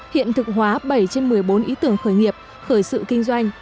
hiện thực hóa bảy trên một mươi bốn ý tưởng khởi nghiệp khởi sự kinh doanh